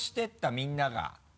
みんなが。